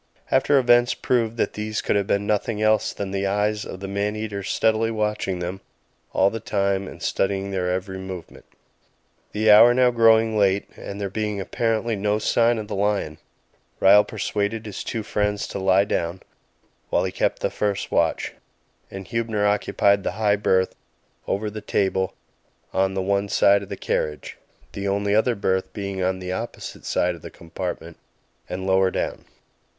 After events proved that these could have been nothing else than the eyes of the man eater steadily watching them all the time and studying their every movement. The hour now growing late, and there being apparently no sign of the lion, Ryall persuaded his two friends to lie down, while he kept the first watch. Huebner occupied the high berth over the table on the one side of the carriage, the only other berth being on the opposite side of the compartment and lower down.